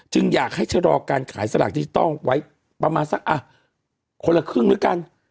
จึงอยากให้ชะลอการขายสลักที่ต้องไว้ประมาณสักคนละครึ่งด้วยกัน